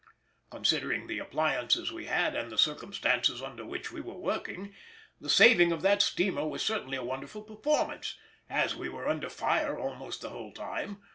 Considering the appliances we had and the circumstances under which we were working, the saving of that steamer was certainly a wonderful performance, as we were under fire almost the whole time.